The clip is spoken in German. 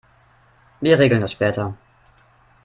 Wir regeln das später.